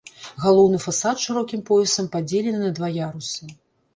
Галоўны фасад шырокім поясам падзелены на два ярусы.